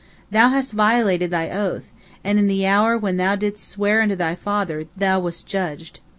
Thou hast violated thy oath, and in the hour when thou didst swear unto thy father, thou wast judged."